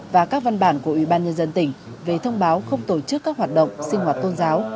và các văn bản của ubnd tỉnh về thông báo không tổ chức các hoạt động sinh hoạt tôn giáo